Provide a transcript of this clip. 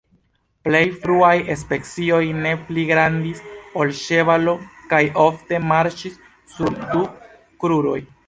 Plej fruaj specioj ne pli grandis ol ĉevalo kaj ofte marŝis sur du kruroj.